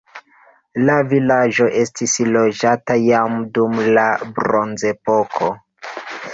La vilaĝo estis loĝata jam dum la bronzepoko.